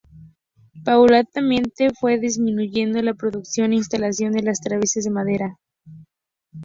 Paulatinamente fue disminuyendo la producción e instalación de las traviesas de madera.